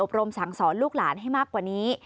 รมสั่งสอนลูกหลานให้มากกว่านี้